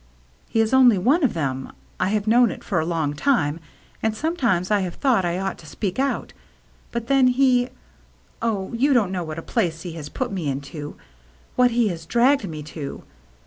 "He is only one of them. I have known it for a long time, and sometimes I have thought I ought to speak out, but then he — oh, you don't know what a place he has put me into — what he has dragged me to